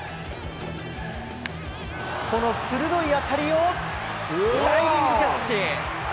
この鋭い当たりをダイビングキャッチ。